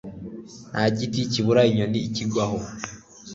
nta giti kibura inyoni ikigwaho